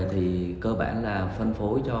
thì cơ bản là phân phối cho